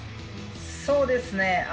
そうですね。